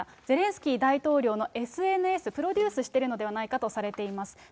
ゼレンスキー大統領のＳＮＳをプロデュースしてるのではないかといわれています。